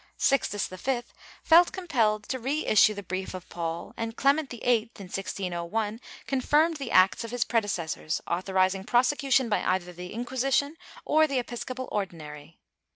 ^ Sixtus V felt compelled to reissue the brief of Paul, and Clement VIII, in 1601, confirmed the acts of his predecessors, authorizing prosecution by either the Inquisition or the episcopal Ordinary.